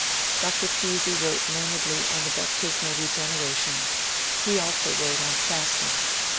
Dr. Pusey wrote learnedly on Baptismal Regeneration; he also wrote on Fasting.